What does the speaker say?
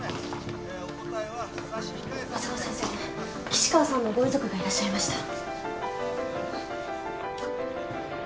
岸川さんのご遺族がいらっしゃいました。